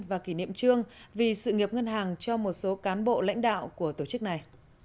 và kỷ niệm trương vì sự nghiệp ngân hàng cho một số cán bộ lãnh đạo của tổ chức này